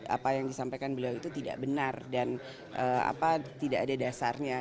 apa yang disampaikan beliau itu tidak benar dan tidak ada dasarnya